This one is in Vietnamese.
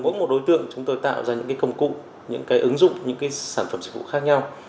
mỗi một đối tượng chúng tôi tạo ra những công cụ những cái ứng dụng những sản phẩm dịch vụ khác nhau